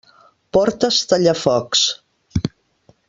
Portes tallafocs.